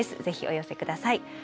ぜひお寄せ下さい。